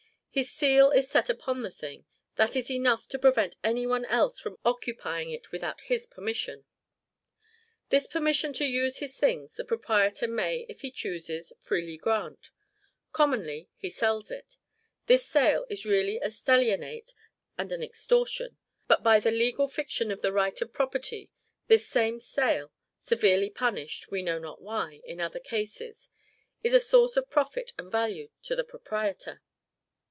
His seal is set upon the thing; that is enough to prevent any one else from occupying it without HIS permission. This permission to use his things the proprietor may, if he chooses, freely grant. Commonly he sells it. This sale is really a stellionate and an extortion; but by the legal fiction of the right of property, this same sale, severely punished, we know not why, in other cases, is a source of profit and value to the proprietor.